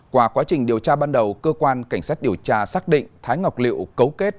qua quá trình điều tra ban đầu cơ quan cảnh sát điều tra xác định thái ngọc liệu cấu kết